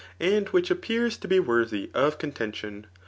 and which appears to be worthy of con ^ lentioii.